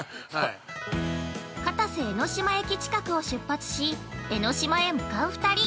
◆片瀬江ノ島駅近くを出発し江の島へ向かう２人。